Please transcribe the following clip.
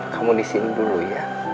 kamu disini dulu ya